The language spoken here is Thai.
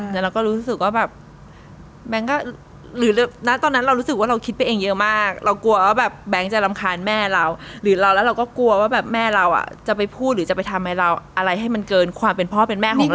แล้วเราก็รู้สึกว่าแบบหรือณตอนนั้นเรารู้สึกว่าเราคิดไปเองเยอะมากเรากลัวว่าแบบแบงค์จะรำคาญแม่เราหรือเราแล้วเราก็กลัวว่าแบบแม่เราจะไปพูดหรือจะไปทำให้เราอะไรให้มันเกินความเป็นพ่อเป็นแม่ของเรา